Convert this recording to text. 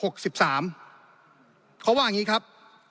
เขาว่าอย่างนี้ครับ